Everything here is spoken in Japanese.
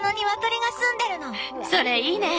それいいね。